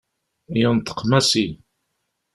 Yenṭeq Massi.